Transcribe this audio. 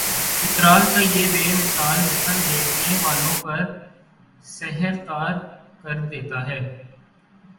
چترال کا یہ بے مثال حسن دیکھنے والوں پر سحر طاری کردیتا ہے